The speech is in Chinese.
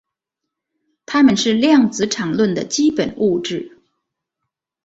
它们是量子场论的基本物质。